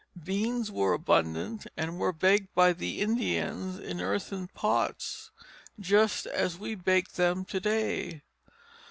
Beans were abundant, and were baked by the Indians in earthen pots just as we bake them to day.